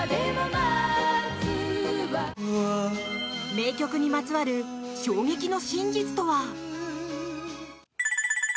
名曲にまつわる衝撃の真実とは？